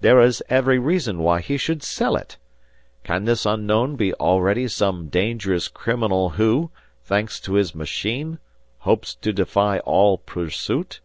There is every reason why he should sell it. Can this unknown be already some dangerous criminal who, thanks to his machine, hopes to defy all pursuit?"